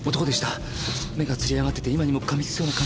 目がつり上がってて今にもかみつきそうな感じだった。